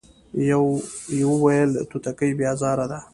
يوه ويل توتکۍ بې ازاره ده ،